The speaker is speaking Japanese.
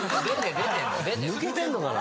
抜けてんのかな？